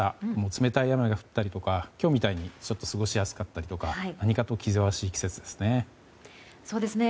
冷たい雨が降ったりとか今日みたいに、ちょっと過ごしやすかったりとか何かと気ぜわしい季節ですね。